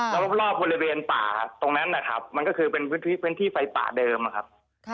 แล้วรอบบริเวณป่าตรงนั้นนะครับมันก็คือเป็นพื้นที่ไฟป่าเดิมนะครับ